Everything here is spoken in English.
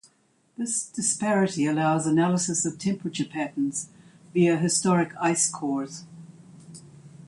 This disparity allows analysis of temperature patterns via historic ice cores.